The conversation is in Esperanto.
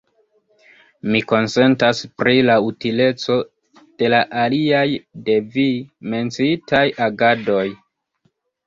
Mi konsentas pri la utileco de la aliaj de vi menciitaj agadoj.